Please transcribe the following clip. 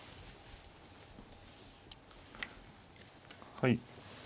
はい。